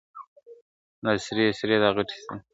دا سرې سرې دا غټي سترګي !.